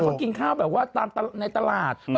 แล้วก็กินข้าวแบบว่าตามในตลาด